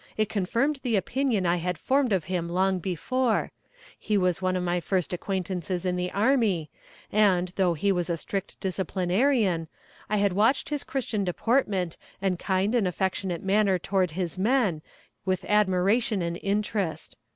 It confirmed the opinion I had formed of him long before; he was one of my first acquaintances in the army, and, though he was a strict disciplinarian, I had watched his christian deportment and kind and affectionate manner toward his men with admiration and interest.